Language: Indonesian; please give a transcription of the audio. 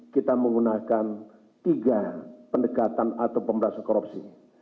kita menggunakan tiga pendekatan atau pemberantasan korupsi